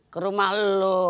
ke rumah lo